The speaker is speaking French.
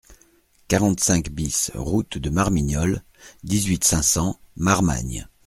quarante-cinq BIS route de Marmignolles, dix-huit, cinq cents, Marmagne